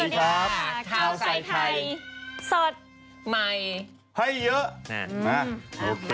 สวัสดีครับสวัสดีครับคราวสายไทยสดใหม่ให้เยอะมาโอเค